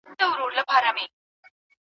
تر هغه چي ستاسو ګوتې پخپله کار وکړي.